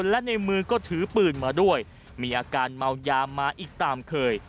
และในมือก็ถือปืนมาด้วยมีอาการเมายามาอีกตามเคย